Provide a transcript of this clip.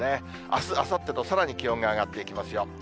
あす、あさってと、さらに気温が上がっていきますよ。